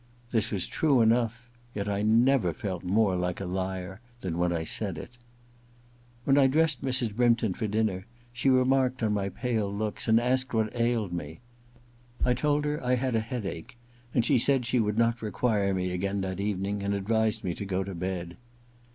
This was true enough ; yet I never felt more like a liar than when I said it. When I dressed Mrs. Brympton for dinner she remarked on my pale looks and asked what ailed me. I told her I had a headache, and she said she would not require me again that evening, and advised me to go to bed.